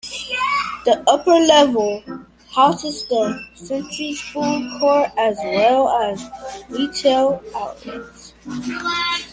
The Upper Level houses the centre's food court as well as retail outlets.